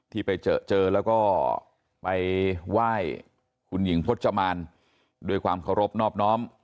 ที่ไปเจอเจอแล้วก็ไปไหว้คุณหญิงพจมานด้วยความเคารพนอบน้อม